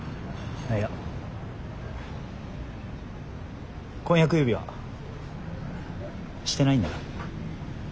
あいや婚約指輪してないんだな。